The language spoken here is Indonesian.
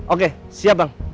oke siap bang